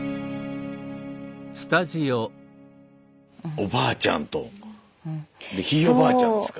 おばあちゃんとでひいおばあちゃんですか。